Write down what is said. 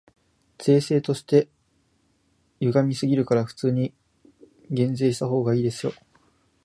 税制として歪すぎるから、普通に減税したほうがいいでしょ。